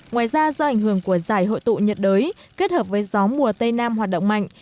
ngoài ra do ảnh hưởng của giải hội tụ nhiệt đới kết hợp với gió mùa tây nam hoạt động mạnh